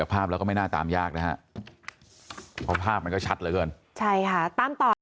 เขาบอกว่าทางสาบแพร่น